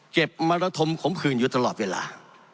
มรธมขมขืนอยู่ตลอดเวลา